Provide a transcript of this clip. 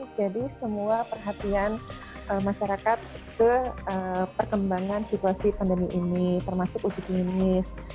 jadi semua perhatian masyarakat ke perkembangan situasi pandemi ini termasuk uji klinis